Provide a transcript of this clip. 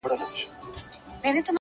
مثبت ذهن بدلون ته چمتو وي.